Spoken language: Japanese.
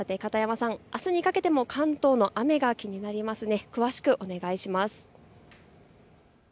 さて片山さん、あすにかけても関東の雨が気になりますね。